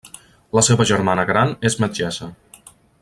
La seva germana gran és metgessa.